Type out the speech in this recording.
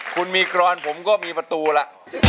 คุณมีกรอนผมก็มีประตูล่ะ